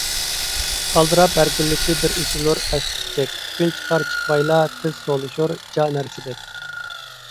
ئالدىراپ ھەركۈنلۈكى بىر ئېچىلۇر ھەشقىپىچەك، كۈن چىقار - چىقمايلا تېز سولىشۇر جا نەرسىدەك.